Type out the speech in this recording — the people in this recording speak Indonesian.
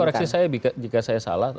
koreksi saya jika saya salah